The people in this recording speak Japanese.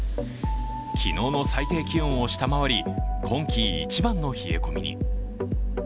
昨日の最低気温を下回り今季一番の冷え込みに。